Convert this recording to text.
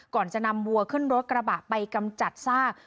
ก่อนจะนำวัวขึ้นรถกระบะไปกำจัดซาก